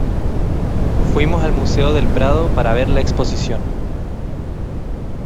Fuimos al Museo del Prado para ver la exposición.